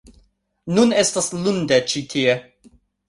Nun estas lunde ĉi tie